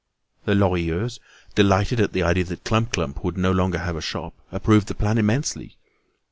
The Lorilleuxs, delighted at the idea that Clump clump would no longer have a shop, approved the plan immensely.